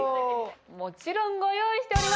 もちろんご用意しております。